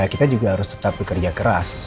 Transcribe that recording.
kita juga harus tetap bekerja keras